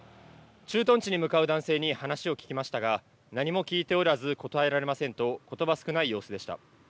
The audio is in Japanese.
駐屯地に向かう男性に話を聞きましたが、何も聞いておらず答えられませんと、ことば少ない様子でした。